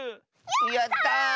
やった！